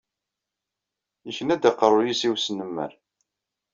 Yekna-d aqerruy-is i usnemmer.